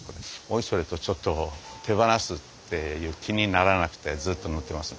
おいそれとちょっと手放すっていう気にならなくてずっと乗ってます